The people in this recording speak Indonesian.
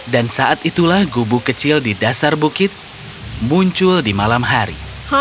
dan saat itulah gubu kecil di dasar bukit muncul di malam hari